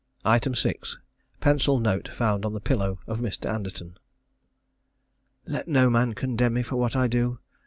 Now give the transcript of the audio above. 6. Pencil note found on the pillow of Mr. Anderton. Let no man condemn me for what I do.